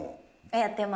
やってます。